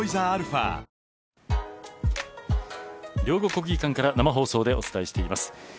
両国国技館から生放送でお伝えしています。